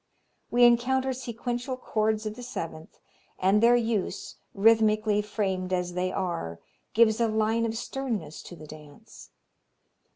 We encounter sequential chords of the seventh, and their use, rhythmically framed as they are, gives a line of sternness to the dance.